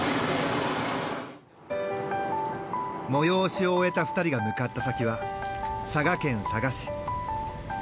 催しを終えた２人が向かった先は佐賀県佐賀市。